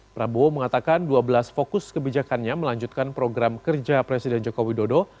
prabowo mengatakan dua belas fokus kebijakannya melanjutkan program kerja presiden joko widodo